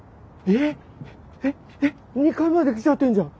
えっえっ２階まで来ちゃってんじゃん。